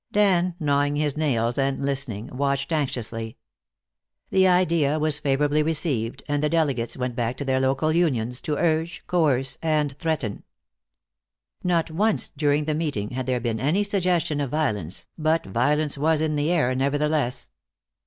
Dan, gnawing his nails and listening, watched anxiously. The idea was favorably received, and the delegates went back to their local unions, to urge, coerce and threaten. Not once, during the meeting, had there been any suggestion of violence, but violence was in the air, nevertheless.